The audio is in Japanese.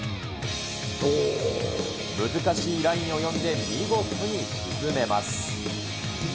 難しいラインを読んで見事に沈めます。